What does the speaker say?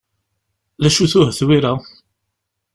D acu-t uhetwir-a?